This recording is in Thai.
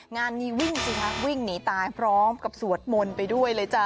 งานนี้วิ่งสิคะวิ่งหนีตายพร้อมกับสวดมนต์ไปด้วยเลยจ้ะ